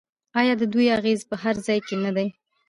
آیا د دوی اغیز په هر ځای کې نه دی؟